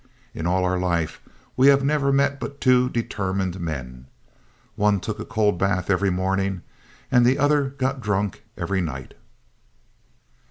In all our life we have never met but two determined men. One took a cold bath every morning and the other got drunk every night.